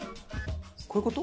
こういう事？